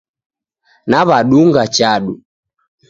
Nawadunga chadu